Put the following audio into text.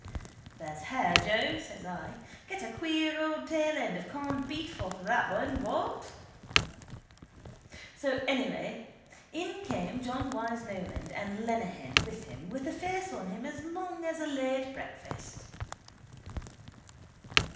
—There's hair, Joe, says I. Get a queer old tailend of corned beef off of that one, what? So anyhow in came John Wyse Nolan and Lenehan with him with a face on him as long as a late breakfast.